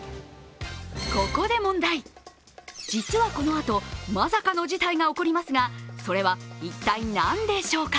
ここで問題、実はこのあと、まさかの事態が起こりますが、それは一体なんでしょうか？